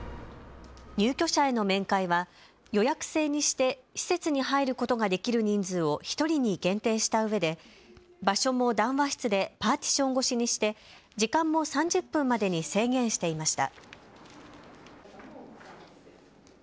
入居者への面会は予約制にして施設に入ることができる人数を１人に限定したうえで場所も談話室でパーティション越しにして、時間も３０分までに制限していました。